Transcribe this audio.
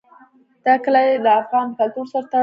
دا کلي له افغان کلتور سره تړاو لري.